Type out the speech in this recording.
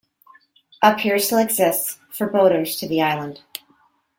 A pier still exists for boaters to the island.